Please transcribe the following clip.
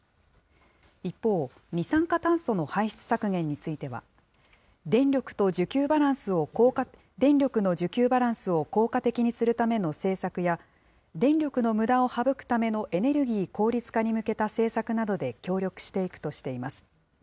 一方、二酸化炭素の排出削減については、電力の需給バランスを効果的にするための政策や、電力のむだを省くためのエネルギー効率化に向けた政策などで協力していくとしています。